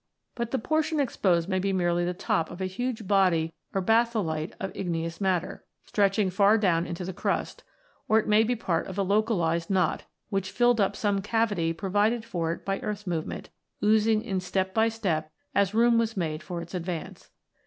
But the portion exposed may be merely the v] IGNEOUS ROCKS 123 top of a huge body or batholite of igneous matter, stretching far down into the crust ; or it may be part of a localised knot, which filled up some cavity provided for it by earth movement, oozing in step by step as room was made for its advance.